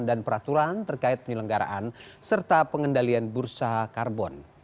dan peraturan terkait penyelenggaraan serta pengendalian bursa karbon